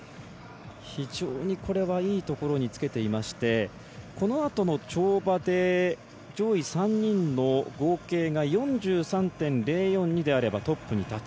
非常に、これはいいところにつけていましてこのあとの跳馬で上位３人の合計が４３．０４２であればトップに立つ。